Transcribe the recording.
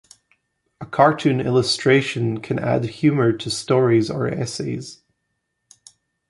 A cartoon illustration can add humor to stories or essays.